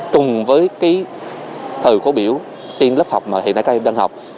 cùng với cái thờ khố biểu tiên lớp học mà hiện nay các em đang học